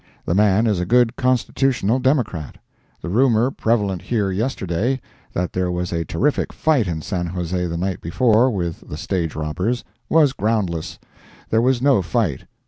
The man is a good Constitutional Democrat. The rumor prevalent here yesterday, that there was a terrific fight in San Jose the night before, with the stage robbers, was groundless; there was no fight.